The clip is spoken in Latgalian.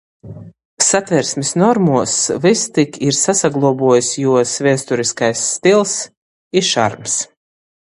Satversmis normuos vystik ir sasaglobuojs juos viesturiskais stils i šarms.